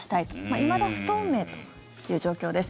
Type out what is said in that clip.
いまだ不透明という状況です。